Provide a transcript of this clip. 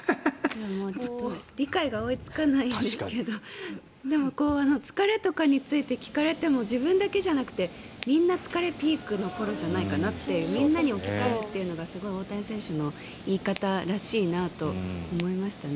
ちょっと理解が追いつかないですけどでも、疲れとかについて聞かれても自分だけじゃなくてみんな疲れピークの頃じゃないかなってみんなに置き換えるというのが大谷選手の言い方らしいなと思いましたね。